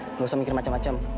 tidak usah mikir macam macam